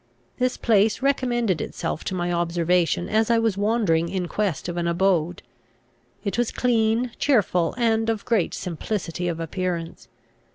This place recommended itself to my observation as I was wandering in quest of an abode. It was clean, cheerful, and of great simplicity of appearance.